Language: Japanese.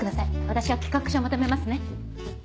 私は企画書まとめますね。